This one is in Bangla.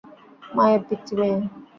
মায়ের পিচ্চি মেয়ে।